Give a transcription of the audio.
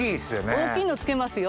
大きいの漬けますよ。